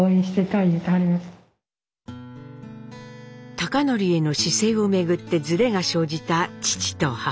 貴教への姿勢をめぐってずれが生じた父と母。